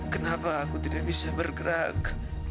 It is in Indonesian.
kenapa aku tidak bisa bergerak